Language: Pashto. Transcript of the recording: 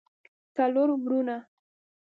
څلور وروڼه